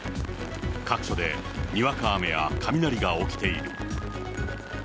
各所でにわか雨や雷が起きている。